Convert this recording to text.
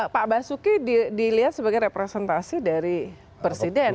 pak basuki dilihat sebagai representasi dari presiden